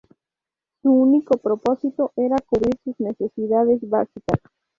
Su único propósito era cubrir sus necesidades básicas.